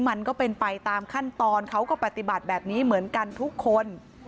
มันก็เป็นไปตามขั้นตอนเขาก็ปฏิบัติแบบนี้เหมือนกันทุกคน